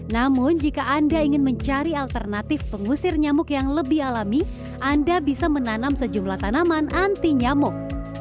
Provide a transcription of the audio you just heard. namun jika anda ingin mencari alternatif pengusir nyamuk yang lebih alami anda bisa menanam sejumlah tanaman anti nyamuk